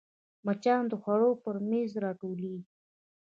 مچان د خوړو پر میز راټولېږي